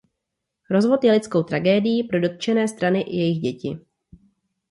Rozvod je lidskou tragédií pro dotčené strany i jejich děti.